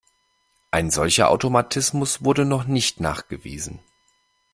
Ein solcher Automatismus wurde noch nicht nachgewiesen.